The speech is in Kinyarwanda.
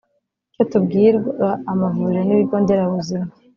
icyo tubwira amavuriro n’ibigo nderabuzima